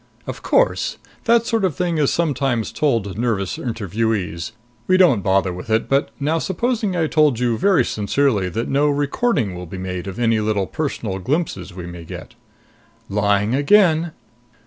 "Of course. That sort of thing is sometimes told to nervous interviewees. We don't bother with it. But now supposing I told you very sincerely that no recording will be made of any little personal glimpses we may get?" "Lying again."